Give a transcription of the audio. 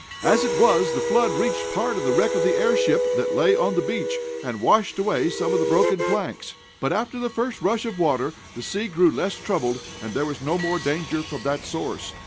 As it was the flood reached part of the wreck of the airship, that lay on the beach, and washed away some of the broken planks. But, after the first rush of water, the sea grew less troubled, and there was no more danger from that source.